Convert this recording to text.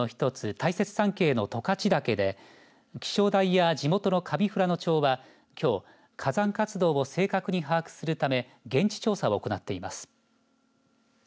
大雪山系の十勝岳で気象台や地元の上富良野町はきょう火山活動を正確に把握するため現地調査を行っています。